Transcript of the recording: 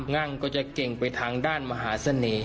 งั่งก็จะเก่งไปทางด้านมหาเสน่ห์